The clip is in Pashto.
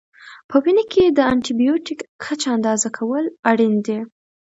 په وینه کې د انټي بیوټیک کچه اندازه کول اړین دي.